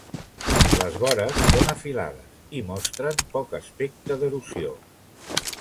Les vores són afilades i mostren poc aspecte d'erosió.